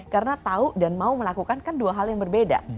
karena tahu dan mau melakukan kan dua hal yang berbeda